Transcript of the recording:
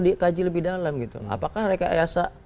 dikaji lebih dalam gitu apakah rekayasa